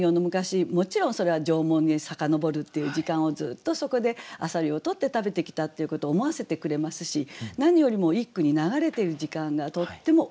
もちろんそれは縄文へ遡るっていう時間をずっとそこで浅蜊を取って食べてきたっていうことを思わせてくれますし何よりも一句に流れている時間がとってもおおらか。